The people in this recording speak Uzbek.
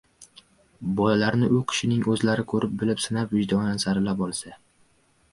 Bolalarni u kishining o‘zlari ko‘rib-bilib, sinab, vijdonan saralab olsa